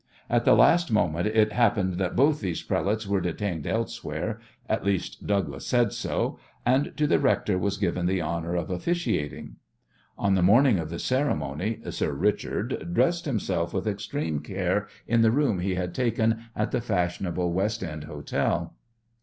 At the last moment it happened that both these prelates were detained elsewhere, at least Douglas said so, and to the rector was given the honour of officiating. On the morning of the ceremony "Sir Richard" dressed himself with extreme care in the room he had taken at the fashionable West End hotel.